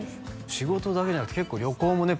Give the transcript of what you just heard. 仕事だけじゃなくて結構旅行もね